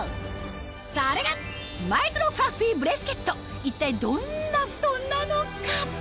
それが一体どんな布団なのか？